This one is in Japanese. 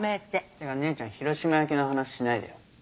ていうか姉ちゃん広島焼きの話しないでよ。